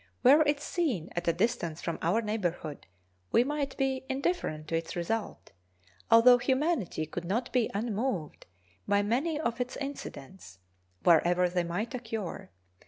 Were its scene at a distance from our neighborhood, we might be indifferent to its result, although humanity could not be unmoved by many of its incidents wherever they might occur.